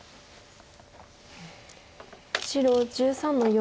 白１３の四。